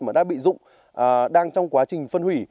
mà đã bị dụng đang trong quá trình phân hủy